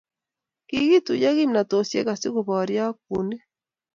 Kikituyo kimnatosiek asi koboryo ak bunik